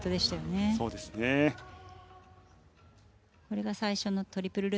これが最初のトリプルルッツ。